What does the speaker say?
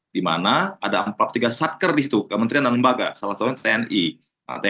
di mana ada empat tiga satker di situ kementerian dan lembaga salah satunya tni